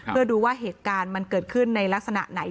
เพื่อดูว่าเหตุการณ์มันเกิดขึ้นในลักษณะไหน